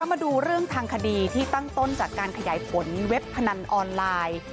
มาดูเรื่องทางคดีที่ตั้งต้นจากการขยายผลเว็บพนันออนไลน์